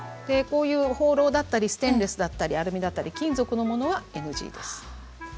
こういうホーローだったりステンレスだったりアルミだったり金属のものはＮＧです。